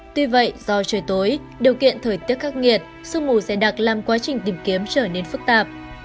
tuy vậy do trời tối điều kiện thời tiết khắc nghiệt sương mù dày đặc làm quá trình tìm kiếm trở nên phức tạp